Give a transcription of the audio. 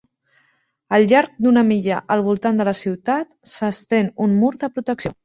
Al llarg d'una milla al voltant de la ciutat, s'estén un mur de protecció.